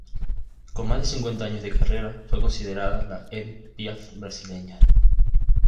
Con más de cincuenta años de carrera, fue considerada la Édith Piaf brasileña.